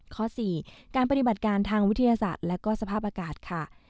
ข้อ๔การปฏิบัติการทางวิทยาศาสตร์และก็สภาพอากาศค่ะ